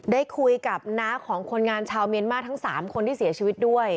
ได้คุยกับน้าของคนงานชาวเมียนมาร์ทั้ง๓คนที่เสียชีวิตด้วย